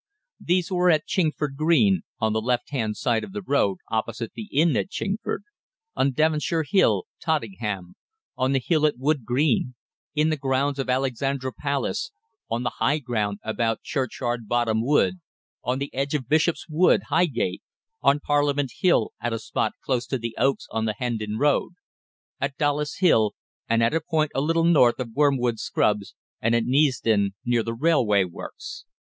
These were at Chingford Green, on the left hand side of the road opposite the inn at Chingford; on Devonshire Hill, Tottenham; on the hill at Wood Green; in the grounds of the Alexandra Palace; on the high ground about Churchyard Bottom Wood; on the edge of Bishop's Wood, Highgate; on Parliament Hill, at a spot close to the Oaks on the Hendon road; at Dollis Hill, and at a point a little north of Wormwood Scrubs, and at Neasden, near the railway works.